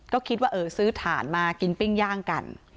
ก็คิดว่าเออซื้อถ่านมากินปิ้งย่างกัน